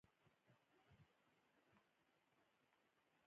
د پیرودونکو اړیکې د خرڅ زیاتوي.